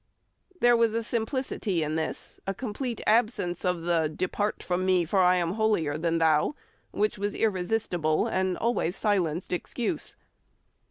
'" There was a simplicity in this, a complete absence of the "Depart from me, for I am holier than thou," which was irresistible, and always silenced excuse.